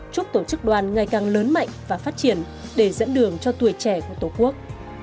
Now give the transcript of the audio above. chúc tổ chức đoàn ngày càng lớn mạnh và phát triển để dẫn đường cho tuổi trẻ của tổ quốc